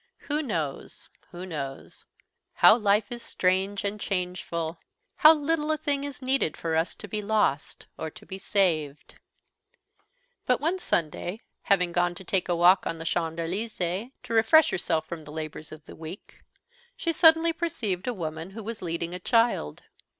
Who knows? who knows? How life is strange and changeful! How little a thing is needed for us to be lost or to be saved! But, one Sunday, having gone to take a walk in the Champs Élysées to refresh herself from the labors of the week, she suddenly perceived a woman who was leading a child.